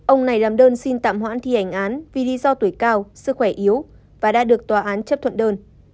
ông này làm đơn xin tạm hoãn thi hành án vì lý do tuổi cao sức khỏe yếu và đã được tòa án chấp thuận đơn